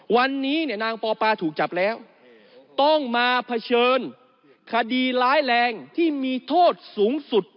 วันนี้เนี่ยนางปอปาถูกจับแล้วต้องมาเผชิญคดีร้ายแรงที่มีโทษสูงสุด